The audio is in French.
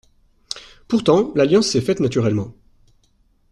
Pourtant, l’alliance s’est faite naturellement.